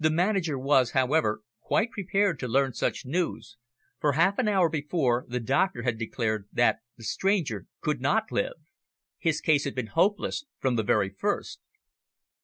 The manager was, however, quite prepared to learn such news, for, half an hour before, the doctor had declared that the stranger could not live. His case had been hopeless from the very first.